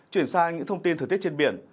chuyển sang những thông tin thời tiết trên biển